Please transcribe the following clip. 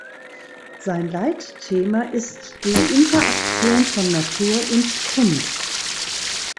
Sein Leitthema ist die Interaktion von Natur und Kunst.